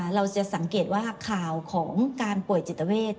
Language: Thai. เราจะสังเกตว่าข่าวของการป่วยจิตเวท